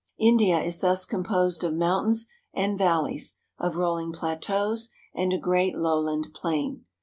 India is thus composed of mountains and valleys, of rolHng plateaus and a great lowland plain.